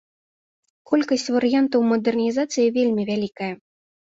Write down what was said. Колькасць варыянтаў мадэрнізацыі вельмі вялікае.